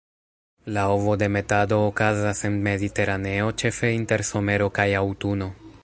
La ovodemetado okazas en Mediteraneo ĉefe inter somero kaj aŭtuno.